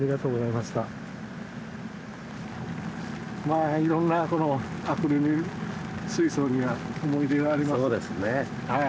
まあいろんなこのアクリル水槽には思い出があります。